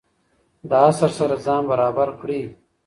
د عصر سره ځان برابر کړئ.